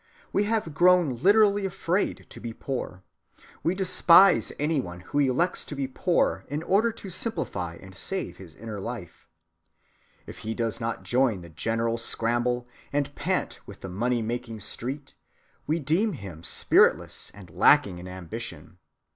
We have grown literally afraid to be poor. We despise any one who elects to be poor in order to simplify and save his inner life. If he does not join the general scramble and pant with the money‐making street, we deem him spiritless and lacking in ambition.